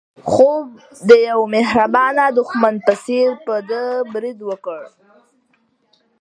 خوب د یو مهربانه دښمن په څېر په ده برید وکړ.